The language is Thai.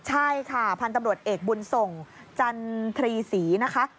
ใช่ค่ะพันธุ์ตำรวจเอกบุญส่งจันทรีศรีนะคะ